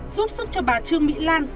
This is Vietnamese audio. giúp sức cho bà trương mỹ lan